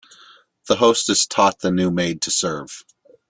The hostess taught the new maid to serve.